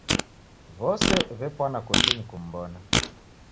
W'ose w'epwana kotinyi kum'bona.